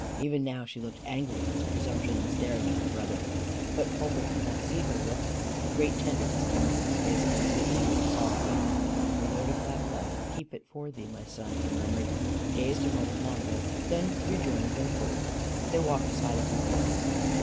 Even now she looked angry at his presumption in staring at her brother. But Polwarth did not see her look. A great tenderness came over his face, and his lips moved softly. "The Lord of thy life keep it for thee, my son!" he murmured, gazed a moment longer, then rejoined Wingfold. They walked aside a few paces.